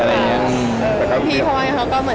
พี่โฮยเขาก็เหมือนแก